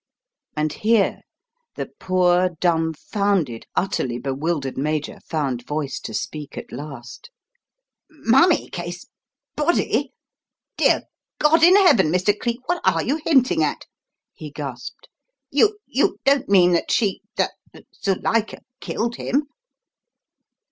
And here the poor, dumfounded, utterly bewildered Major found voice to speak at last. "Mummy case! Body! Dear God in heaven, Mr. Cleek, what are you hinting at?" he gasped. "You you don't mean that she that Zuilika killed him?"